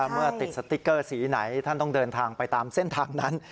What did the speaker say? เมื่อติดสติ๊กเกอร์สีไหนท่านต้องเดินทางไปตามเส้นทางนั้น